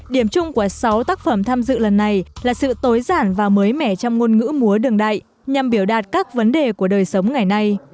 điểm chung của sáu tác phẩm tham dự lần này là sự tối giản và mới mẻ trong ngôn ngữ múa đường đại nhằm biểu đạt các vấn đề của đời sống ngày nay